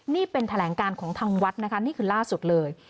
นี่เป็นแถลงการของทางวัดนะคะนี่คือล่าสุดเลย